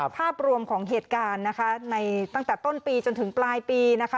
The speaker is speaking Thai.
ภาพรวมของเหตุการณ์นะคะในตั้งแต่ต้นปีจนถึงปลายปีนะคะ